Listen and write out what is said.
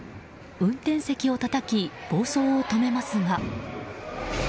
運転席をたたき暴走を止めますが。